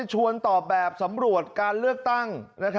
ตอบแบบสำรวจการเลือกตั้ง